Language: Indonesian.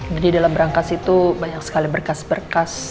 jadi dalam berangkas itu banyak sekali berkas berkas